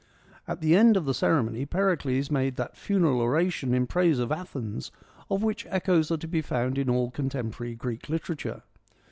At the end of the ceremony Pericles made that Funeral Oration in praise of Athens of which echoes are to be found in all contemporary Greek literature.